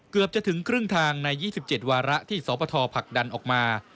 เกือบจะถึงครึ่งทางใน๒๗วาระที่สปทผลักดันออกมา